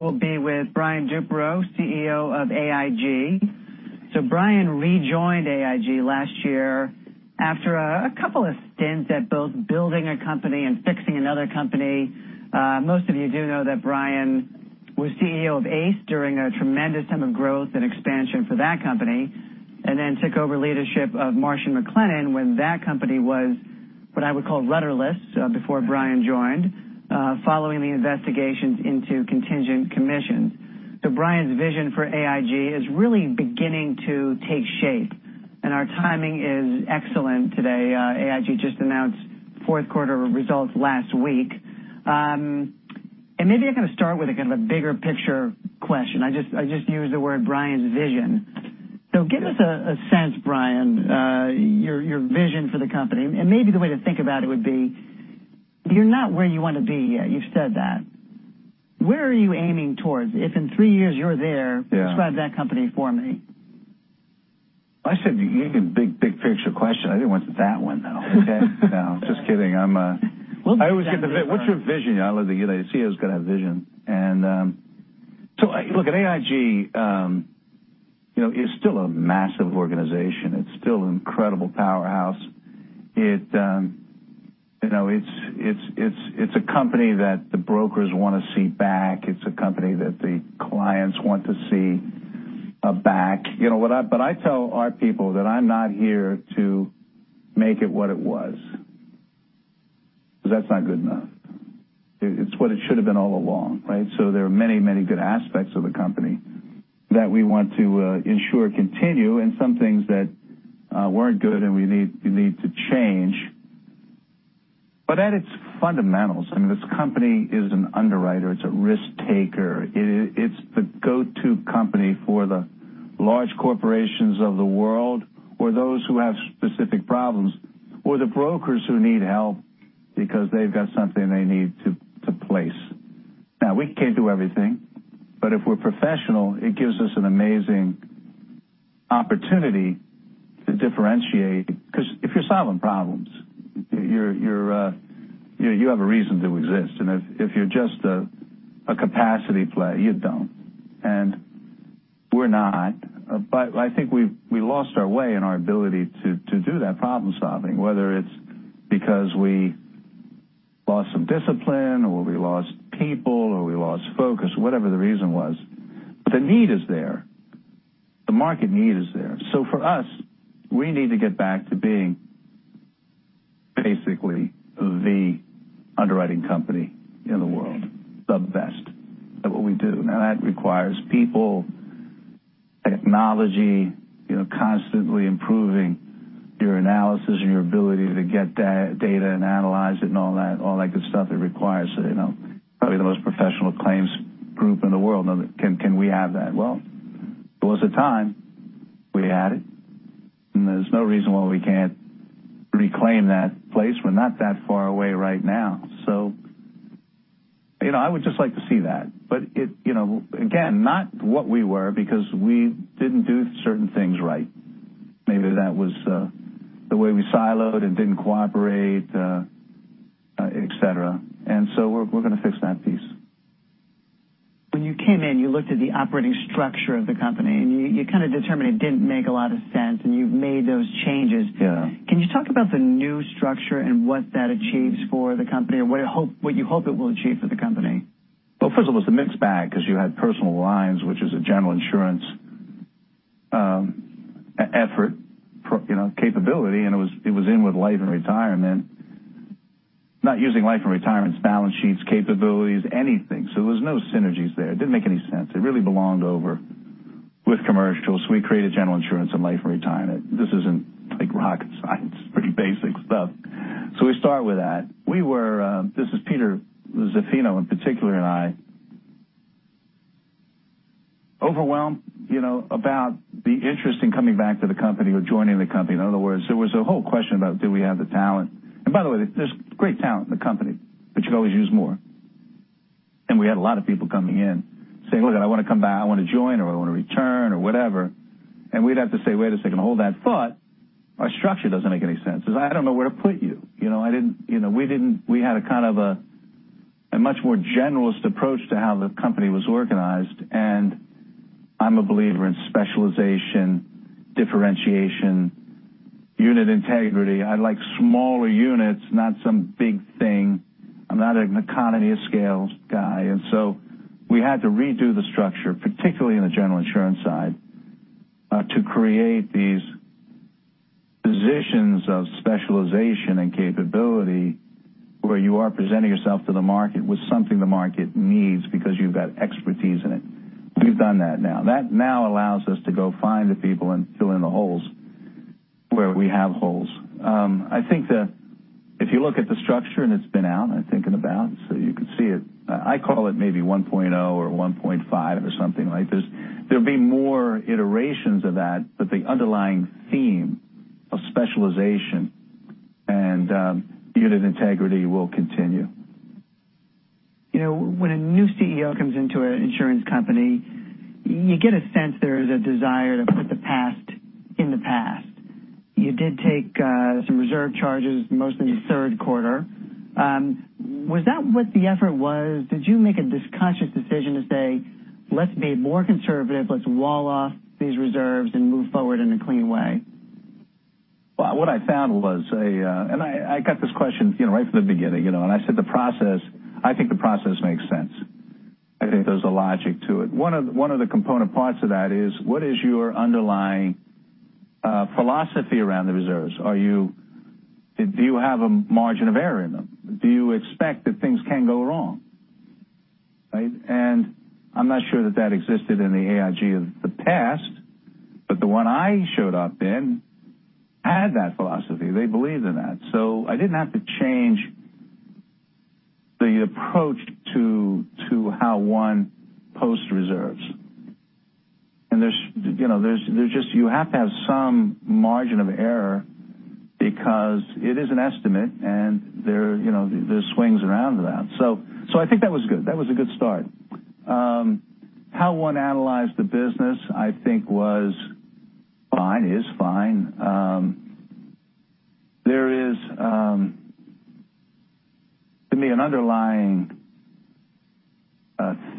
Brian Duperreault, CEO of AIG. Brian rejoined AIG last year after a couple of stints at both building a company and fixing another company. Most of you do know that Brian was CEO of ACE during a tremendous time of growth and expansion for that company, then took over leadership of Marsh & McLennan when that company was what I would call leaderless before Brian joined, following the investigations into contingent commissions. Brian's vision for AIG is really beginning to take shape, and our timing is excellent today. AIG just announced fourth quarter results last week. Maybe I'm going to start with a kind of a bigger picture question. I just used the word Brian's vision. Give us a sense, Brian, your vision for the company. Maybe the way to think about it would be, you're not where you want to be yet. You've said that. Where are you aiming towards? If in three years you're there. Describe that company for me. I said you gave me a big picture question. I didn't want that one, though. Okay. No, just kidding. We'll definitely. I always get the, "What's your vision?" I look at you like, "The CEO's got to have vision." Look, at AIG, it's still a massive organization. It's still an incredible powerhouse. It's a company that the brokers want to see back. It's a company that the clients want to see back. I tell our people that I'm not here to make it what it was, because that's not good enough. It's what it should've been all along, right? There are many good aspects of the company that we want to ensure continue, and some things that weren't good and we need to change. At its fundamentals, this company is an underwriter. It's a risk-taker. It's the go-to company for the large corporations of the world, or those who have specific problems, or the brokers who need help because they've got something they need to place. We can't do everything, but if we're professional, it gives us an amazing opportunity to differentiate. If you're solving problems, you have a reason to exist, and if you're just a capacity play, you don't. We're not. I think we lost our way in our ability to do that problem-solving, whether it's because we lost some discipline or we lost people or we lost focus, whatever the reason was. The need is there. The market need is there. For us, we need to get back to being basically the underwriting company in the world. The best at what we do. That requires people, technology, constantly improving your analysis and your ability to get data and analyze it and all that good stuff it requires. Probably the most professional claims group in the world. Can we have that? Well, there was a time we had it, and there's no reason why we can't reclaim that place. We're not that far away right now. I would just like to see that. Again, not what we were, because we didn't do certain things right. Maybe that was the way we siloed and didn't cooperate, et cetera. We're going to fix that piece. When you came in, you looked at the operating structure of the company, you kind of determined it didn't make a lot of sense, you've made those changes. Yeah. Can you talk about the new structure and what that achieves for the company, or what you hope it will achieve for the company? Well, first of all, it's a mixed bag because you had personal lines, which is a general insurance effort capability, and it was in with life and retirement. Not using life and retirement's balance sheets, capabilities, anything. There was no synergies there. It didn't make any sense. It really belonged over with commercial. We created general insurance and life and retirement. This isn't like rocket science, pretty basic stuff. We start with that. We were, this is Peter Zaffino in particular and I, overwhelmed about the interest in coming back to the company or joining the company. In other words, there was a whole question about, do we have the talent? By the way, there's great talent in the company, but you could always use more. We had a lot of people coming in saying, "Look, I want to come back. I want to join," or, "I want to return," or whatever. We'd have to say, "Wait a second, hold that thought. Our structure doesn't make any sense. I don't know where to put you." We had a kind of a much more generalist approach to how the company was organized, and I'm a believer in specialization, differentiation, unit integrity. I like smaller units, not some big thing. I'm not an economy of scales guy. We had to redo the structure, particularly in the general insurance side, to create these positions of specialization and capability where you are presenting yourself to the market with something the market needs because you've got expertise in it. We've done that now. That now allows us to go find the people and fill in the holes where we have holes. I think that if you look at the structure, and it's been out, I think and about, so you can see it. I call it maybe 1.0 or 1.5 or something like this. There'll be more iterations of that, but the underlying theme of specialization and unit integrity will continue. When a new CEO comes into an insurance company, you get a sense there is a desire to put the past in the past. You did take some reserve charges mostly in the third quarter. Was that what the effort was? Did you make a conscious decision to say, "Let's be more conservative, let's wall off these reserves and move forward in a clean way? Well, what I found was I got this question right from the beginning, and I said, "I think the process makes sense." I think there's a logic to it. One of the component parts of that is what is your underlying philosophy around the reserves? Do you have a margin of error in them? Do you expect that things can go wrong, right? I'm not sure that existed in the AIG of the past, but the one I showed up in had that philosophy. They believe in that. I didn't have to change the approach to how one posts reserves. You have to have some margin of error because it is an estimate and there's swings around that. I think that was good. That was a good start. How one analyzed the business, I think was fine, is fine. There is to me an underlying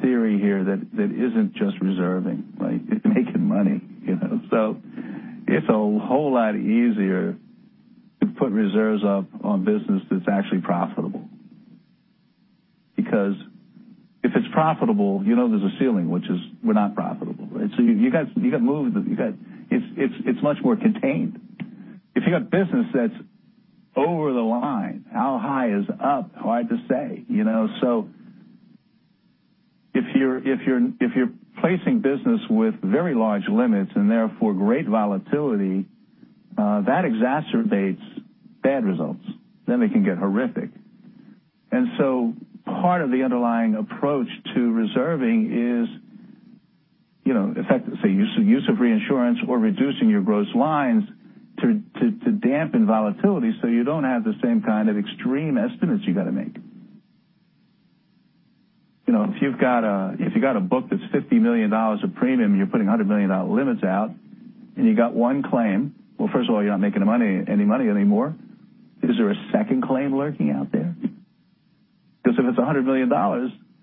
theory here that isn't just reserving, right? It's making money. It's a whole lot easier to put reserves up on business that's actually profitable. Because if it's profitable, you know there's a ceiling, which is we're not profitable. You got move, it's much more contained. If you got business that's over the line, how high is up? Hard to say. If you're placing business with very large limits and therefore great volatility, that exacerbates bad results. They can get horrific. Part of the underlying approach to reserving is effective, say, use of reinsurance or reducing your gross lines to dampen volatility so you don't have the same kind of extreme estimates you got to make. If you've got a book that's $50 million of premium, you're putting $100 million limits out, and you got one claim. First of all, you're not making any money anymore. Is there a second claim lurking out there? If it's $100 million,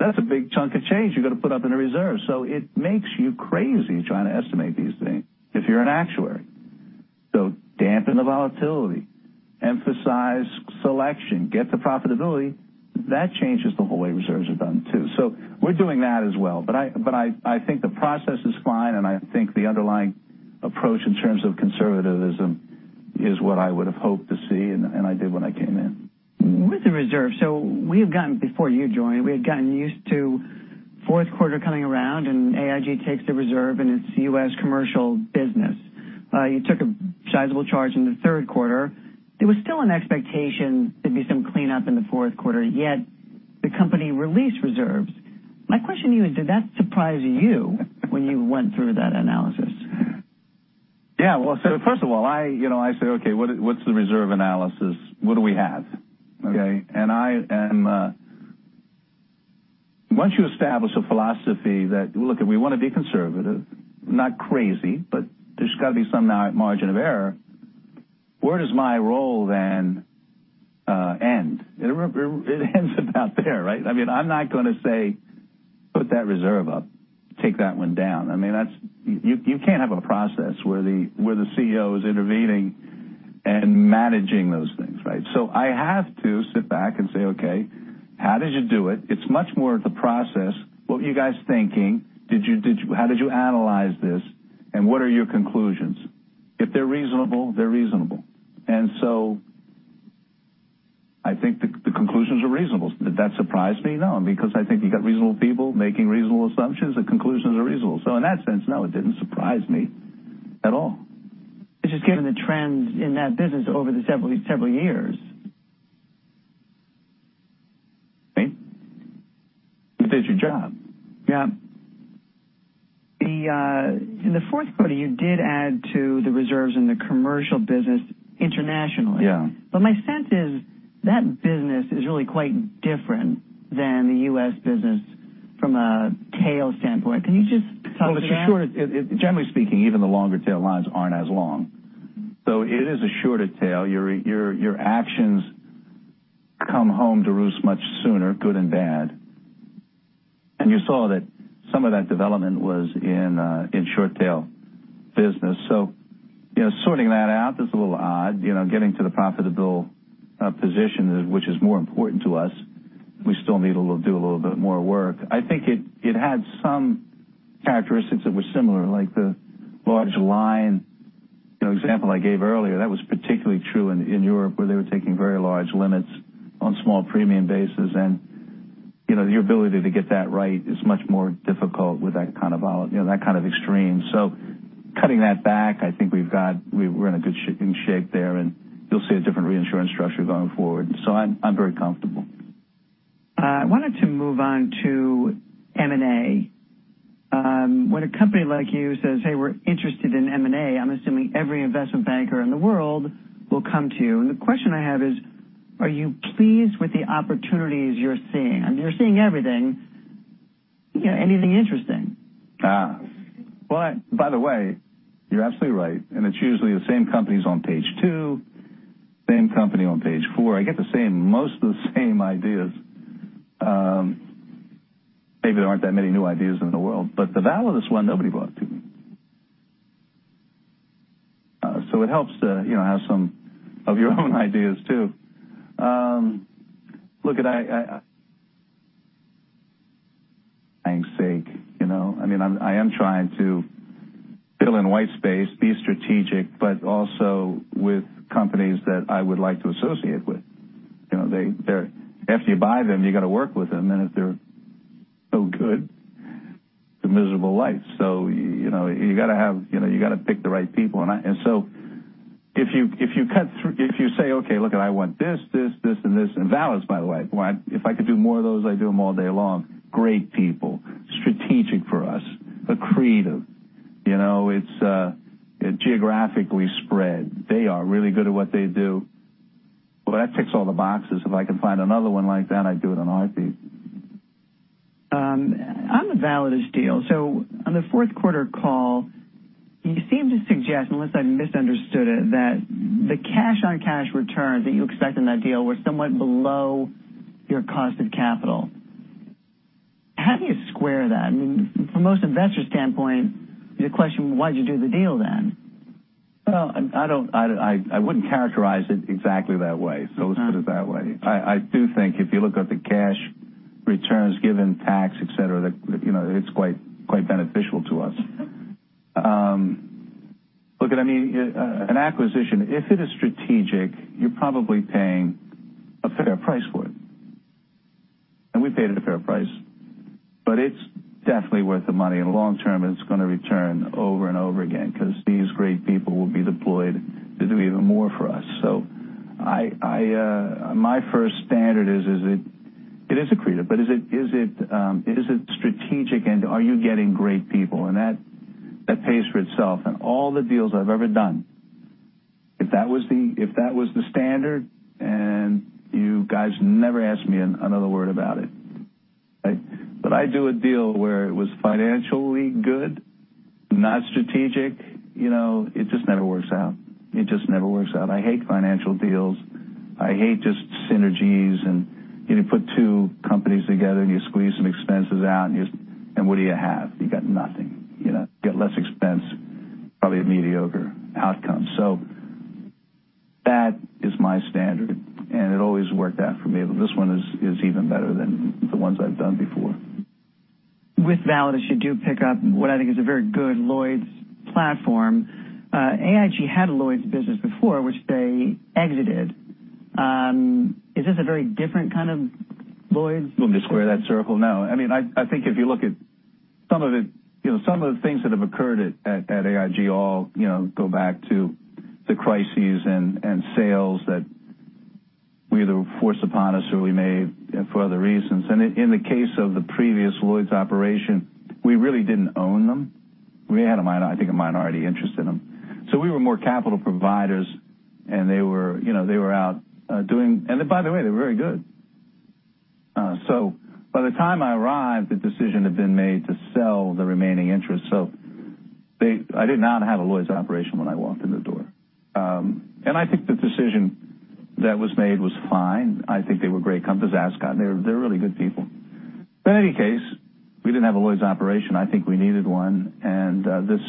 that's a big chunk of change you got to put up in a reserve. It makes you crazy trying to estimate these things if you're an actuary. Dampen the volatility, emphasize selection, get the profitability. That changes the whole way reserves are done, too. We're doing that as well. I think the process is fine, and I think the underlying approach in terms of conservatism is what I would've hoped to see and I did when I came in. With the reserve, before you joined, we had gotten used to fourth quarter coming around, AIG takes the reserve in its U.S. commercial business. You took a sizable charge in the third quarter. There was still an expectation there'd be some cleanup in the fourth quarter, yet the company released reserves. My question to you is, did that surprise you when you went through that analysis? First of all, I say, "Okay, what's the reserve analysis? What do we have?" Once you establish a philosophy that, look, we want to be conservative, not crazy, there's got to be some margin of error, where does my role then end? It ends about there, right? I'm not going to say, "Put that reserve up, take that one down." You can't have a process where the CEO is intervening and managing those things, right? I have to sit back and say, "Okay, how did you do it?" It's much more of the process. What were you guys thinking? How did you analyze this, what are your conclusions? If they're reasonable, they're reasonable. I think the conclusions are reasonable. Did that surprise me? No, I think you got reasonable people making reasonable assumptions. The conclusions are reasonable. In that sense, no, it didn't surprise me at all. It's just given the trends in that business over these several years. Okay. You did your job. Yeah. In the fourth quarter, you did add to the reserves in the commercial business internationally. Yeah. My sense is that business is really quite different than the U.S. business from a tail standpoint. Can you just talk to that? Well, for sure, generally speaking, even the longer tail lines aren't as long. It is a shorter tail. Your actions come home to roost much sooner, good and bad. You saw that some of that development was in short tail business. Sorting that out is a little odd. Getting to the profitable position, which is more important to us, we still need to do a little bit more work. I think it had some characteristics that were similar, like the large line example I gave earlier. That was particularly true in Europe, where they were taking very large limits on small premium bases, and the ability to get that right is much more difficult with that kind of extreme. Cutting that back, I think we're in a good shape there, and you'll see a different reinsurance structure going forward. I'm very comfortable. I wanted to move on to M&A. When a company like you says, "Hey, we're interested in M&A," I'm assuming every investment banker in the world will come to you. The question I have is, are you pleased with the opportunities you're seeing? You're seeing everything? Anything interesting? By the way, you're absolutely right, it's usually the same companies on page two, same company on page four. I get most of the same ideas. Maybe there aren't that many new ideas in the world. The Validus one, nobody brought up to me. It helps to have some of your own ideas, too. I am trying to fill in white space, be strategic, but also with companies that I would like to associate with. After you buy them, you got to work with them, and if they're no good, it's a miserable life. You got to pick the right people. If you say, "Okay, look it, I want this, this, and this," and Validus, by the way, boy, if I could do more of those, I'd do them all day long. Great people, strategic for us, accretive. It's geographically spread. They are really good at what they do. Boy, that ticks all the boxes. If I can find another one like that, I'd do it in a heartbeat. On the Validus deal, on the fourth quarter call, you seemed to suggest, unless I misunderstood it, that the cash-on-cash return that you expect in that deal was somewhat below your cost of capital. How do you square that? From most investors' standpoint, the question, why'd you do the deal, then? Well, I wouldn't characterize it exactly that way, so let's put it that way. I do think if you look at the cash returns given tax, et cetera, that it's quite beneficial to us. Lookit, an acquisition, if it is strategic, you're probably paying a fair price for it, and we paid it a fair price. It's definitely worth the money, and long term, it's going to return over and over again because these great people will be deployed to do even more for us. My first standard is it accretive? Is it strategic, and are you getting great people? That pays for itself. In all the deals I've ever done, if that was the standard, and you guys never ask me another word about it. I do a deal where it was financially good, not strategic, it just never works out. It just never works out. I hate financial deals. I hate just synergies and you put two companies together, and you squeeze some expenses out, and what do you have? You got nothing. You got less expense, probably a mediocre outcome. That is my standard, and it always worked out for me, but this one is even better than the ones I've done before. With Validus, you do pick up what I think is a very good Lloyd's platform. AIG had a Lloyd's business before, which they exited. Is this a very different kind of Lloyd's? Want me to square that circle? No. I think if you look at some of the things that have occurred at AIG all go back to the crises and sales that were either forced upon us or we made for other reasons. In the case of the previous Lloyd's operation, we really didn't own them. We had, I think, a minority interest in them. We were more capital providers, and they were out doing. By the way, they were very good. By the time I arrived, the decision had been made to sell the remaining interest. I did not have a Lloyd's operation when I walked in the door. I think the decision that was made was fine. I think they were great companies, Ascot. They're really good people. In any case, we didn't have a Lloyd's operation. I think we needed one, and this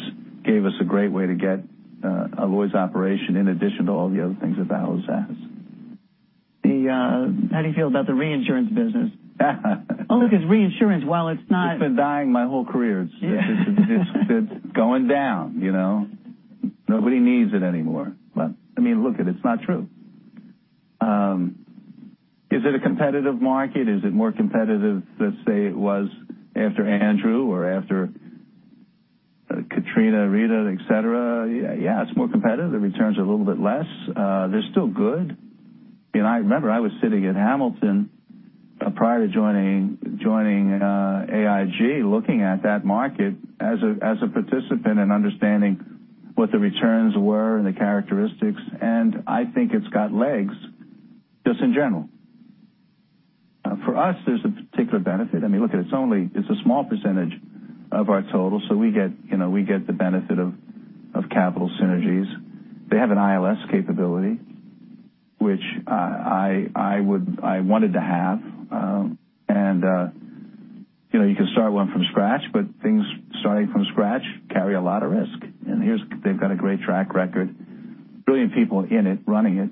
gave us a great way to get a Lloyd's operation in addition to all the other things that Validus has. How do you feel about the reinsurance business? Only because reinsurance, while it's not. It's been dying my whole career. Yeah. It's going down. Nobody needs it anymore. Lookit, it's not true. Is it a competitive market? Is it more competitive than, say, it was after Andrew or after Katrina, Rita, et cetera? Yeah, it's more competitive. The returns are a little bit less. They're still good. I remember I was sitting at Hamilton prior to joining AIG, looking at that market as a participant and understanding what the returns were and the characteristics. I think it's got legs, just in general. For us, there's a particular benefit. Lookit, it's a small percentage of our total, so we get the benefit of capital synergies. They have an ILS capability, which I wanted to have, and you can start one from scratch, but things starting from scratch carry a lot of risk. Here, they've got a great track record, brilliant people in it, running it.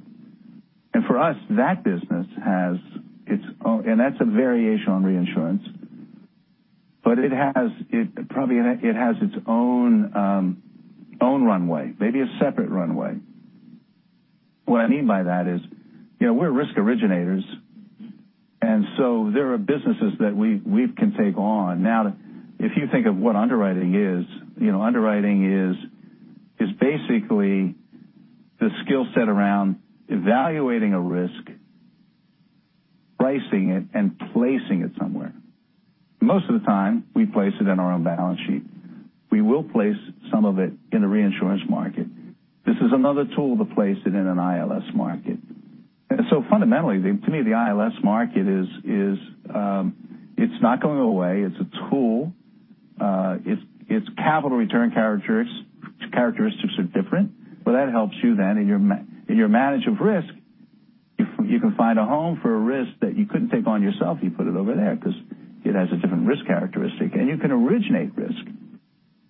For us, that business has its own, and that's a variation on reinsurance, but it has its own runway, maybe a separate runway. What I mean by that is, we're risk originators, so there are businesses that we can take on. Now, if you think of what underwriting is, underwriting is basically the skill set around evaluating a risk, pricing it, and placing it somewhere. Most of the time, we place it in our own balance sheet. We will place some of it in a reinsurance market. This is another tool to place it in an ILS market. Fundamentally, to me, the ILS market is not going away. It's a tool. Its capital return characteristics are different. That helps you then in your management of risk, you can find a home for a risk that you couldn't take on yourself. You put it over there because it has a different risk characteristic. You can originate risk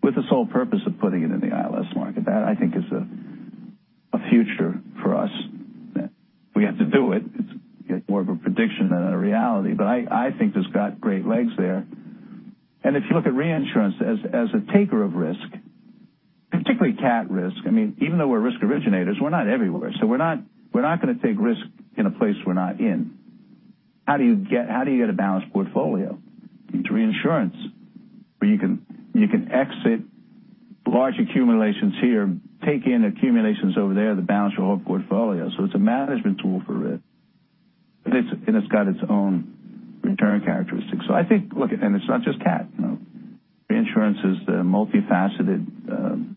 with the sole purpose of putting it in the ILS market. That, I think, is a future for us. We have to do it. It's more of a prediction than a reality, but I think it's got great legs there. If you look at reinsurance as a taker of risk, particularly cat risk, even though we're risk originators, we're not everywhere. We're not going to take risk in a place we're not in. How do you get a balanced portfolio? It's reinsurance, where you can exit large accumulations here, take in accumulations over there that balance your whole portfolio. It's a management tool for risk, and it's got its own return characteristics. It's not just cat. Reinsurance is a multifaceted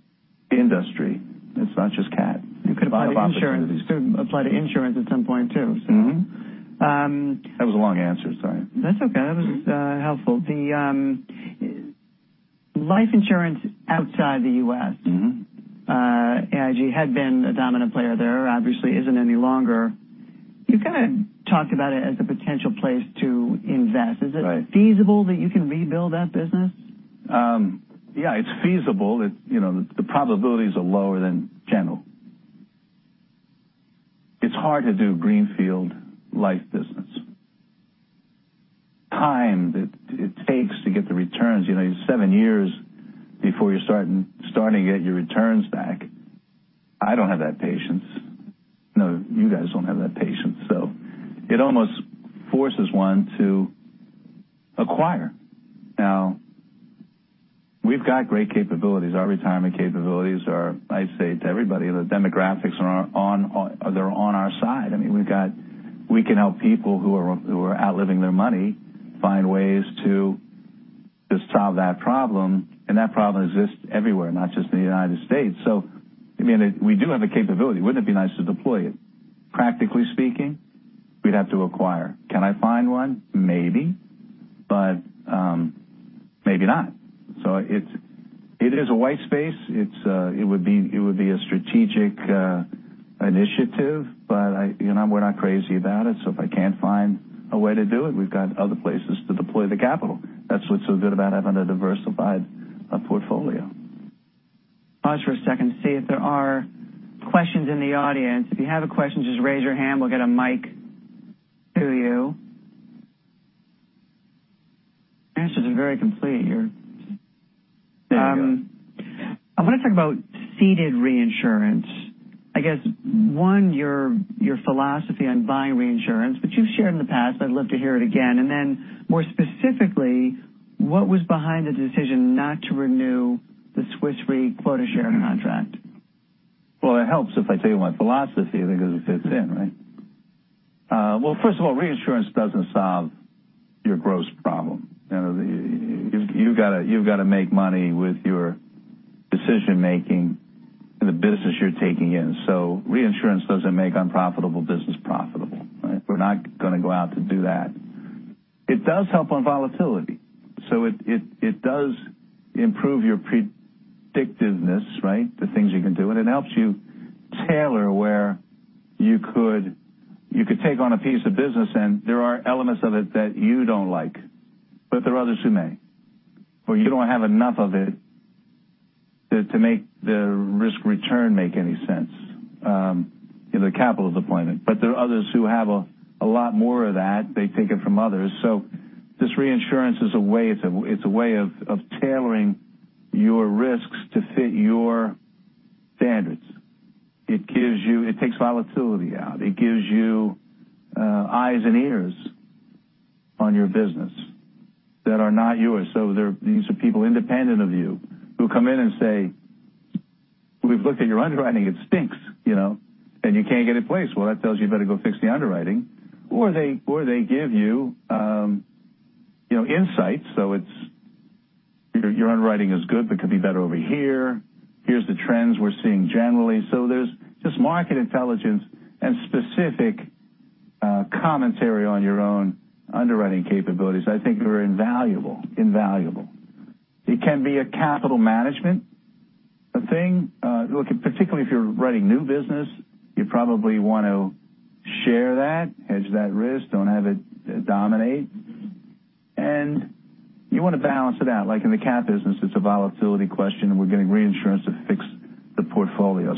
industry. It's not just cat. You could apply to insurance at some point, too. Mm-hmm. That was a long answer. Sorry. That's okay. That was helpful. The life insurance outside the U.S. AIG had been a dominant player there. Obviously isn't any longer. You've kind of talked about it as a potential place to invest. Right. Is it feasible that you can rebuild that business? Yeah, it's feasible. The probabilities are lower than general. It's hard to do greenfield life business. Time that it takes to get the returns, it's 7 years before you're starting to get your returns back. I don't have that patience. None of you guys don't have that patience. It almost forces one to acquire. Now, we've got great capabilities. Our retirement capabilities are, I say to everybody, the demographics, they're on our side. We can help people who are outliving their money find ways to just solve that problem. That problem exists everywhere, not just in the U.S. We do have the capability. Wouldn't it be nice to deploy it? Practically speaking, we'd have to acquire. Can I find one? Maybe, but maybe not. It is a white space. It would be a strategic initiative, but we're not crazy about it. If I can't find a way to do it, we've got other places to deploy the capital. That's what's so good about having a diversified portfolio. Pause for a second to see if there are questions in the audience. If you have a question, just raise your hand. We'll get a mic to you. Answers are very complete. There you go. I want to talk about ceded reinsurance. I guess one, your philosophy on buying reinsurance, but you've shared in the past, I'd love to hear it again. More specifically, what was behind the decision not to renew the Swiss Re quota share contract? Well, it helps if I tell you my philosophy because it fits in, right? Well, first of all, reinsurance doesn't solve your gross problem. You've got to make money with your decision making and the business you're taking in. Reinsurance doesn't make unprofitable business profitable, right? We're not going to go out to do that. It does help on volatility. It does improve your predictiveness, right? The things you can do, it helps you tailor where you could take on a piece of business, and there are elements of it that you don't like, but there are others who may, or you don't have enough of it to make the risk return make any sense in the capital deployment. There are others who have a lot more of that. They take it from others. This reinsurance, it's a way of tailoring your risks to fit your standards. It takes volatility out. It gives you eyes and ears on your business that are not yours. These are people independent of you who come in and say, "We've looked at your underwriting, it stinks, and you can't get it placed." Well, that tells you better go fix the underwriting. They give you insights. Your underwriting is good, but could be better over here. Here's the trends we're seeing generally. There's this market intelligence and specific commentary on your own underwriting capabilities. I think they're invaluable. It can be a capital management thing. Look, particularly if you're writing new business, you probably want to share that, hedge that risk, don't have it dominate. You want to balance it out. Like in the cat business, it's a volatility question, we're getting reinsurance to fix the portfolio.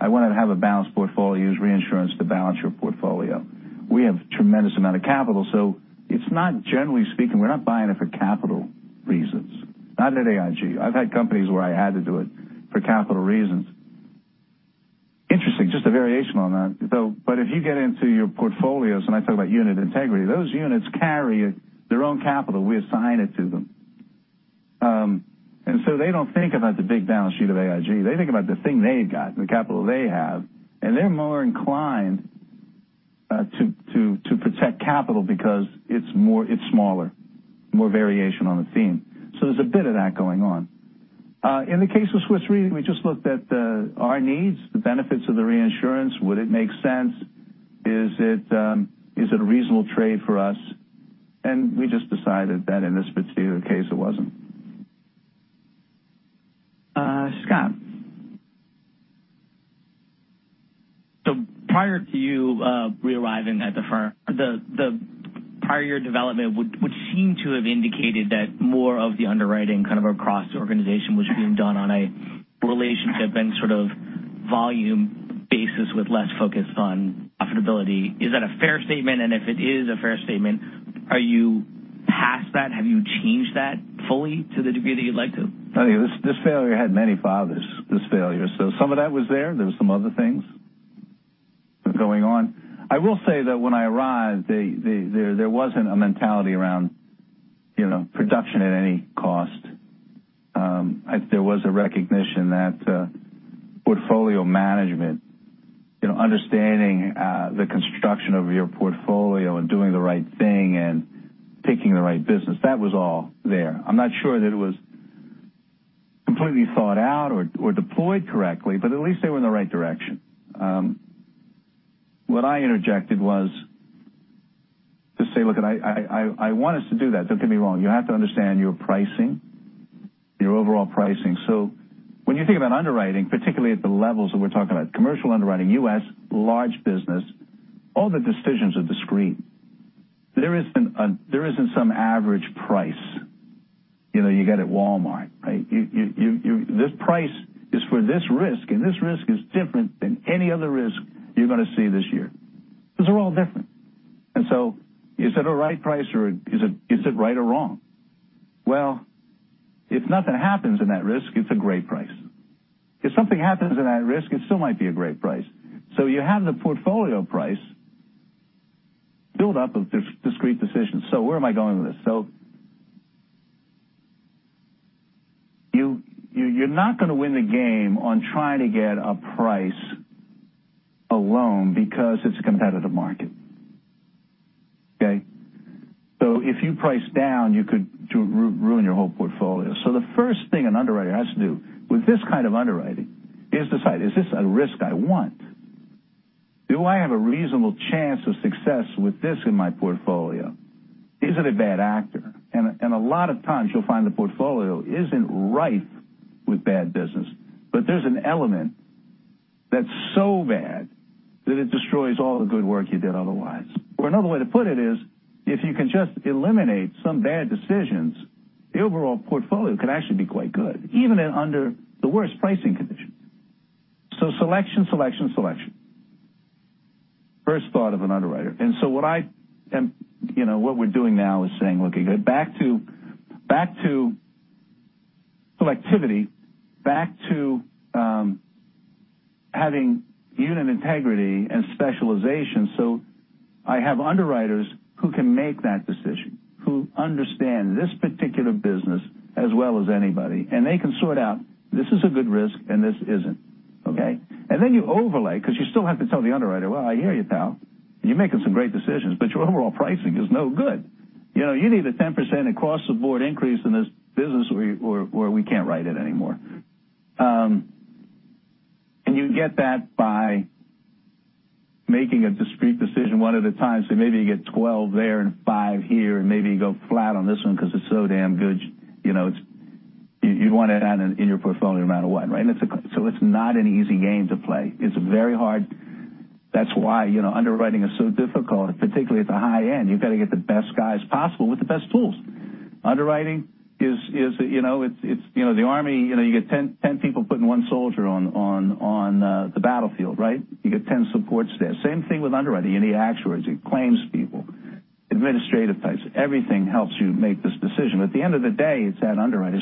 I wanted to have a balanced portfolio, use reinsurance to balance your portfolio. We have tremendous amount of capital, it's not generally speaking, we're not buying it for capital reasons, not at AIG. I've had companies where I had to do it for capital reasons. Interesting. Just a variation on that, though. If you get into your portfolios, I talk about unit integrity, those units carry their own capital. We assign it to them. They don't think about the big balance sheet of AIG. They think about the thing they got and the capital they have, and they're more inclined to protect capital because it's smaller, more variation on a theme. There's a bit of that going on. In the case of Swiss Re, we just looked at our needs, the benefits of the reinsurance. Would it make sense? Is it a reasonable trade for us? We just decided that in this particular case, it wasn't. Scott. Prior to you re-arriving at the firm, the prior development would seem to have indicated that more of the underwriting kind of across the organization was being done on a relationship and sort of volume basis with less focus on profitability. Is that a fair statement? If it is a fair statement, are you past that? Have you changed that fully to the degree that you'd like to? This failure had many fathers, this failure. Some of that was there. There were some other things going on. I will say that when I arrived, there wasn't a mentality around production at any cost. There was a recognition that portfolio management, understanding the construction of your portfolio and doing the right thing and picking the right business, that was all there. I'm not sure that it was completely thought out or deployed correctly, but at least they were in the right direction. What I interjected was to say, "Look, I want us to do that. Don't get me wrong. You have to understand your pricing, your overall pricing." When you think about underwriting, particularly at the levels that we're talking about, commercial underwriting, U.S., large business, all the decisions are discrete. There isn't some average price you get at Walmart, right? This price is for this risk, and this risk is different than any other risk you're going to see this year, because they're all different. Is it a right price or is it right or wrong? Well, if nothing happens in that risk, it's a great price. If something happens in that risk, it still might be a great price. You have the portfolio price build up of discrete decisions. Where am I going with this? You're not going to win the game on trying to get a price alone because it's a competitive market. Okay? If you price down, you could ruin your whole portfolio. The first thing an underwriter has to do with this kind of underwriting is decide, is this a risk I want? Do I have a reasonable chance of success with this in my portfolio? Is it a bad actor? A lot of times you'll find the portfolio isn't rife with bad business, but there's an element that's so bad that it destroys all the good work you did otherwise. Another way to put it is, if you can just eliminate some bad decisions, the overall portfolio can actually be quite good, even under the worst pricing conditions. Selection, selection. First thought of an underwriter. What we're doing now is saying, okay, go back to selectivity, back to having unit integrity and specialization so I have underwriters who can make that decision, who understand this particular business as well as anybody, and they can sort out, this is a good risk and this isn't. Okay? Then you overlay, because you still have to tell the underwriter, "Well, I hear you, pal. You're making some great decisions, but your overall pricing is no good. You need a 10% across-the-board increase in this business, or we can't write it anymore." You get that by making a discrete decision one at a time. Maybe you get 12 there and five here, and maybe you go flat on this one because it's so damn good. You'd want it in your portfolio no matter what, right? It's not an easy game to play. It's very hard. That's why underwriting is so difficult, particularly at the high end. You've got to get the best guys possible with the best tools. Underwriting, it's the army. You get 10 people putting one soldier on the battlefield, right? You get 10 supports there. Same thing with underwriting. You need actuaries, you need claims people, administrative types. Everything helps you make this decision. At the end of the day, it's that underwriter.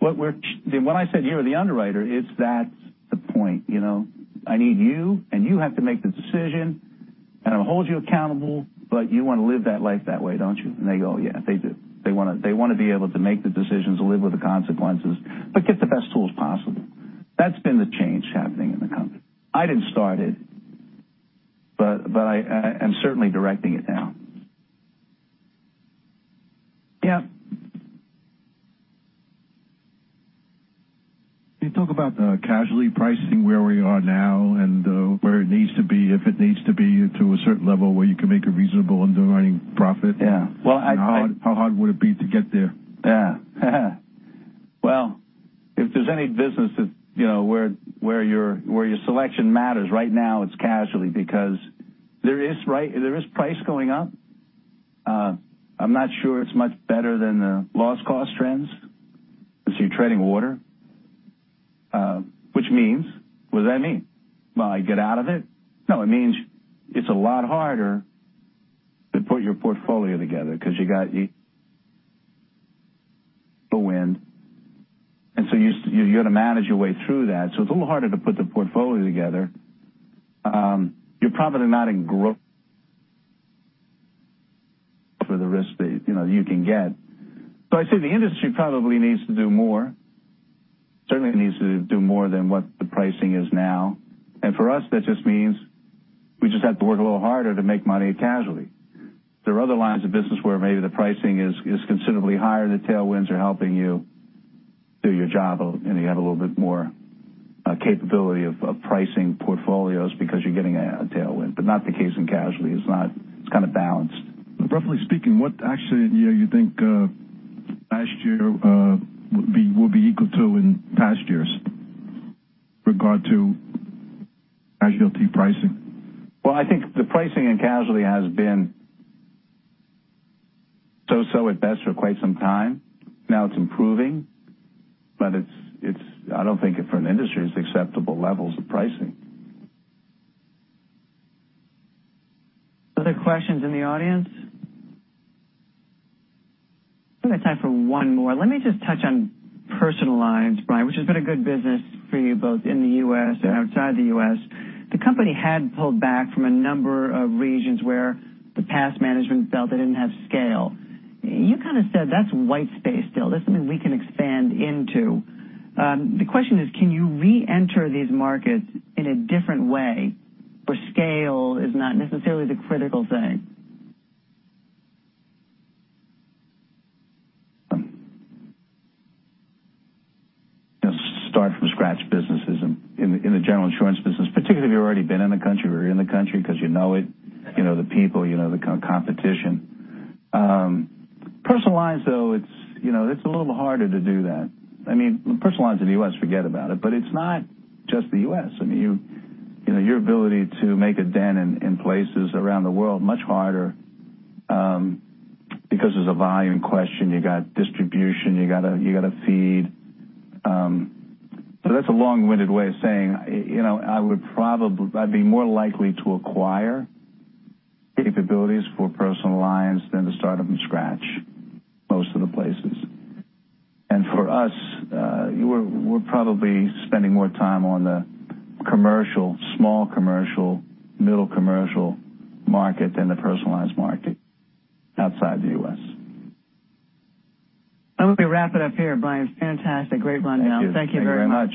When I said, you're the underwriter, it's that point. I need you, and you have to make the decision, and I'm going to hold you accountable, but you want to live that life that way, don't you? They go, "Yeah, they do." They want to be able to make the decisions, live with the consequences, but get the best tools possible. That's been the change happening in the company. I didn't start it, but I am certainly directing it now. Yeah. Can you talk about casualty pricing, where we are now, and where it needs to be, if it needs to be to a certain level where you can make a reasonable underwriting profit? Yeah. Well. How hard would it be to get there? Yeah. Well, if there's any business where your selection matters right now, it's casualty because there is price going up. I'm not sure it's much better than the loss cost trends, so you're treading water, which means, what does that mean? Will I get out of it? No, it means it's a lot harder to put your portfolio together because you got the wind, and so you got to manage your way through that. It's a little harder to put the portfolio together. You're probably not in growth for the risk that you can get. I say the industry probably needs to do more, certainly needs to do more than what the pricing is now. For us, that just means we just have to work a little harder to make money at casualty. There are other lines of business where maybe the pricing is considerably higher. The tailwinds are helping you do your job, and you have a little bit more capability of pricing portfolios because you're getting a tailwind, but not the case in casualty. It's kind of balanced. Roughly speaking, what accident year you think last year will be equal to in past years regard to casualty pricing? Well, I think the pricing in casualty has been so-so at best for quite some time. Now it's improving, I don't think for an industry, it's acceptable levels of pricing. Other questions in the audience? We've got time for one more. Let me just touch on personal lines, Brian, which has been a good business for you both in the U.S. and outside the U.S. The company had pulled back from a number of regions where the past management felt they didn't have scale. You kind of said that's white space still. That's something we can expand into. The question is, can you reenter these markets in a different way where scale is not necessarily the critical thing? Start from scratch businesses in the general insurance business, particularly if you've already been in the country or you're in the country because you know it, you know the people, you know the competition. Personal lines, though, it's a little harder to do that. Personal lines in the U.S., forget about it. It's not just the U.S. Your ability to make a dent in places around the world, much harder because there's a volume question. You got distribution you got to feed. That's a long-winded way of saying I'd be more likely to acquire capabilities for personal lines than to start them from scratch, most of the places. For us, we're probably spending more time on the small commercial, middle commercial market than the personal lines market outside the U.S. I'm going to wrap it up here, Brian. Fantastic. Great running it. Thank you very much.